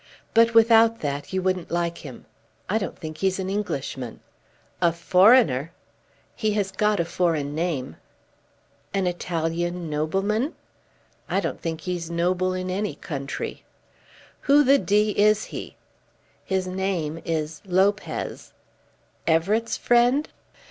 But without that you wouldn't like him. I don't think he's an Englishman." "A foreigner!" "He has got a foreign name." "An Italian nobleman?" "I don't think he's noble in any country." "Who the d is he?" "His name is Lopez." "Everett's friend?"